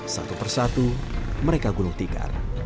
satu persatu mereka gunung tikar